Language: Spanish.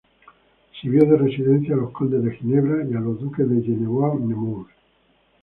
Sirvió de residencia a los condes de Ginebra y a los duques de Genevois-Nemours.